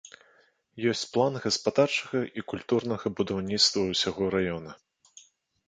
Ёсць план гаспадарчага і культурнага будаўніцтва ўсяго раёна.